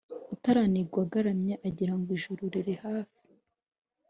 Utaranigwa agaramye, agirango ijuru riri hafi